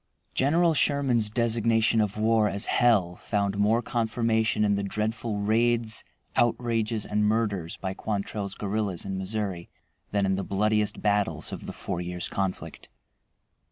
General Sherman's designation of war as "hell" found more confirmation in the dreadful raids, outrages, and murders by Quantrell's guerrillas in Missouri than in the bloodiest battles of the four years' conflict.